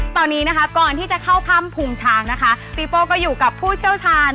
ตอนนี้นะคะก่อนที่จะเข้าถ้ำภูมิช้างนะคะปีโป้ก็อยู่กับผู้เชี่ยวชาญ